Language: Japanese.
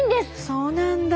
そうなんだ。